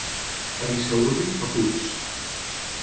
A Bissaürri, paputs.